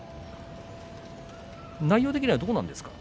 内容的にはどうなんですか。